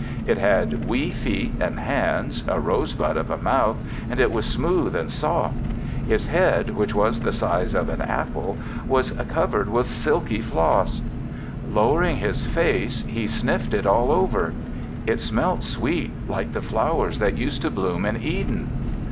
It had wee feet and hands, a rose bud of a mouth and it was smooth and soft. Its head, which was the size of an apple, was covered with silky floss. Lowering his face, he sniffed it all over. It smelt sweet like the flowers that used to bloom in Eden.